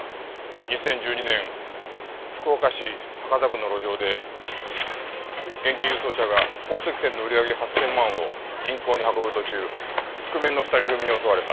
２０１２年福岡市博多区の路上で現金輸送車が宝石店の売り上げ８０００万を銀行に運ぶ途中覆面の２人組に襲われた。